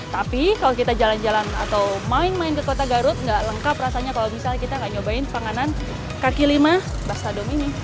tapi kalau kita jalan jalan atau main main ke kota garut nggak lengkap rasanya kalau misalnya kita nggak nyobain panganan kaki lima basadom ini